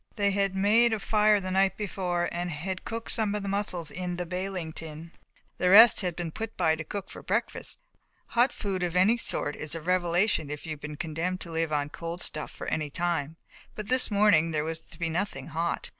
They had made a fire on the night before and had cooked some of the mussels in the baling tin, the rest had been put by to cook for breakfast; hot food of any sort is a revelation if you have been condemned to live on cold stuff for any time, but this morning there was to be nothing hot.